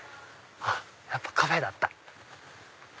やっぱカフェだった。